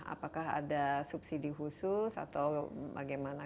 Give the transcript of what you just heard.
apakah ada subsidi khusus atau bagaimana